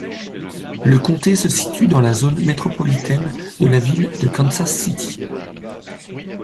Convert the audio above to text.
Le comté se situe dans la zone métropolitaine de la ville de Kansas City.